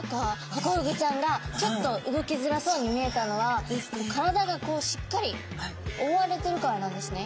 ハコフグちゃんがちょっと動きづらそうに見えたのは体がしっかりおおわれてるからなんですね。